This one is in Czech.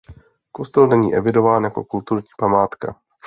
Kostel není evidován jako kulturní památka.